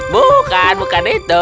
bukan bukan itu